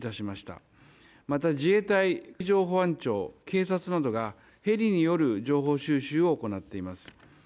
また自衛隊、海上保安庁警察などがヘリによる情報収集を行っています。